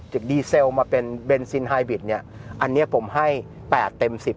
จากดีเซลมาเป็นเบนซินไฮบิทเนี้ยอันเนี้ยผมให้แปดเต็มสิบ